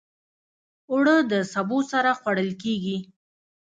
اوړه د سبو سره خوړل کېږي